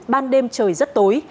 ban đêm trời rất tối